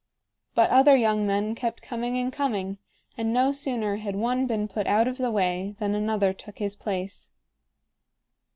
But other young men kept coming and coming, and no sooner had one been put out of the way than another took his place.